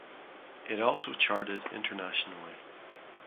It also charted internationally.